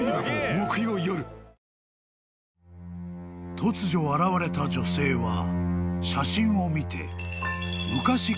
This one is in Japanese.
［突如現れた女性は写真を見て］